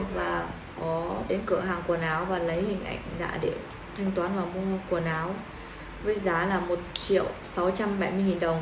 và có đến cửa hàng quần áo và lấy hình ảnh giả để thanh toán và mua quần áo với giá là một triệu sáu trăm bảy mươi đồng